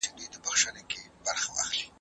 تاریخ اکثره د خلګو د غولولو لپاره لیکل کیږي.